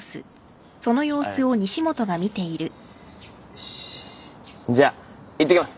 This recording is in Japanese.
よしじゃいってきます。